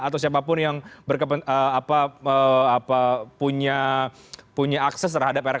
atau siapapun yang punya akses terhadap rkuhp ini